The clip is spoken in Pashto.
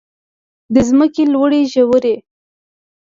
د ځمکې لوړې ژورې.